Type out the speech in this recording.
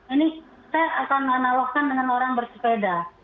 ini saya akan analogkan dengan orang bersepeda